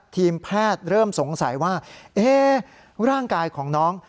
ทีมแพทย์เริ่มสงสัยว่าร่างกายของน้อง